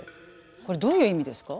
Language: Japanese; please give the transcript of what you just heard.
これどういう意味ですか？